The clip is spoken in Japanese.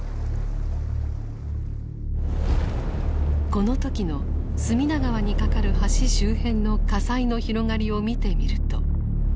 この時の隅田川に架かる橋周辺の火災の広がりを見てみると。